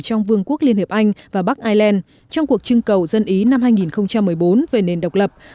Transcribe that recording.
trong vương quốc liên hiệp anh và bắc ireland trong cuộc trưng cầu dân ý năm hai nghìn một mươi bốn về nền độc lập